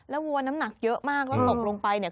วัวน้ำหนักเยอะมากแล้วตกลงไปเนี่ย